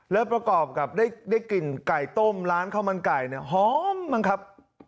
แล้วประกอบกับได้กลิ่นไก่ต้มร้านข้าวมันไก่เนี่ยหอมบ้างครับ